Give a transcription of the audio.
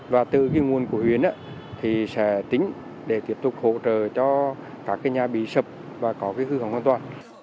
và từ cái nguồn của huyện thì sẽ tính để tiếp tục hỗ trợ cho các nhà bị sập và có hư hỏng hoàn toàn